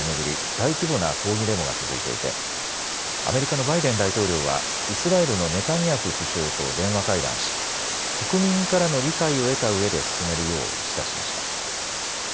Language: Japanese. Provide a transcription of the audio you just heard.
大規模な抗議デモが続いていてアメリカのバイデン大統領はイスラエルのネタニヤフ首相と電話会談し国民からの理解を得たうえで進めるよう示唆しました。